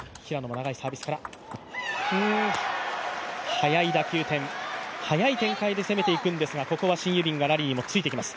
速い打球点、速い展開で攻めていくんですがここはシン・ユビンがラリーにもついていきます。